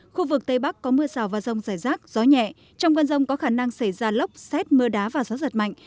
khu vực tây bắc có mưa rào và rông rải rác gió nhẹ trong cơn rông có khả năng xảy ra lốc xét mưa đá và gió giật mạnh